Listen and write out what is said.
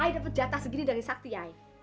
ayah dapat jatah segini dari sakti ayah